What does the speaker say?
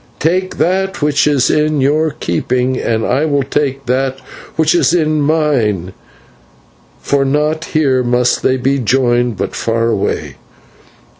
Take that which is in your keeping, and I will take that which is in mine, for not here must they be joined, but far away.